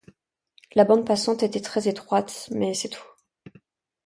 La bande passante était très étroite, mais c'est tout.